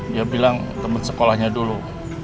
dia bilang teman sekolahnya dulu